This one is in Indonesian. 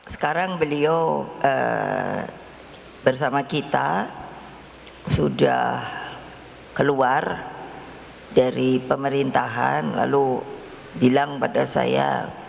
sekarang beliau bersama kita sudah keluar dari pemerintahan lalu bilang pada saya